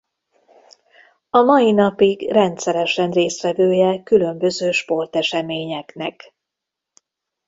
A mai napig rendszeresen résztvevője különböző sporteseményeknek.